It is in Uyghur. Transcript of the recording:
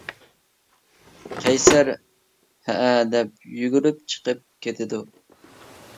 قەيسەر: ھەئە، دەپ يۈگۈرۈپ چىقىپ كېتىدۇ.